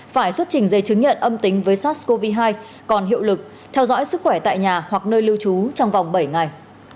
phải xuất trình giấy chứng nhận âm tính với sars cov hai còn hiệu lực theo dõi sức khỏe tại nhà hoặc nơi lưu trú trong vòng bảy ngày